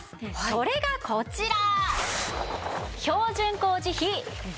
それがこちら。